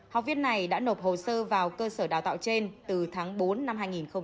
học viên này đã nộp hồ sơ vào cơ sở đào tạo trên từ tháng bốn năm hai nghìn hai mươi